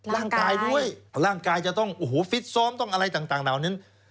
ร่างกายด้วยร่างกายจะต้องโอ้โหฟิตซ้อมต้องอะไรต่างเหล่านั้น